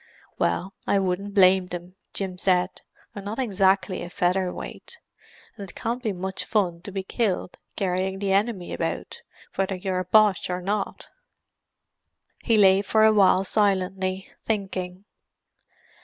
"Well, I wouldn't blame them," Jim said. "I'm not exactly a featherweight, and it can't be much fun to be killed carrying the enemy about, whether you're a Boche or not." He lay for a while silently, thinking.